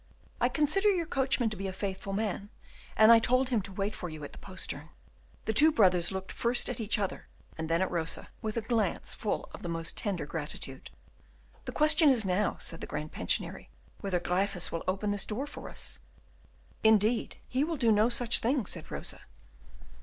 "I considered your coachman to be a faithful man, and I told him to wait for you at the postern." The two brothers looked first at each other, and then at Rosa, with a glance full of the most tender gratitude. "The question is now," said the Grand Pensionary, "whether Gryphus will open this door for us." "Indeed, he will do no such thing," said Rosa.